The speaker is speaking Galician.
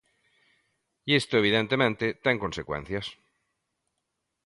E isto, evidentemente, ten consecuencias.